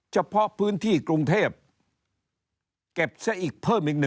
เฉพาะพื้นที่กรุงเทพเก็บซะอีกเพิ่มอีก๑